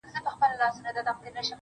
اوس له نړۍ څخه خپه يمه زه_